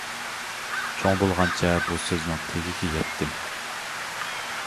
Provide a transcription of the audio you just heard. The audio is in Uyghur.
چوڭ بولغانچە بۇ سۆزنىڭ تېگىگە يەتتىم.